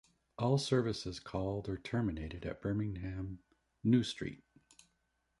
All services called or terminated at Birmingham New Street.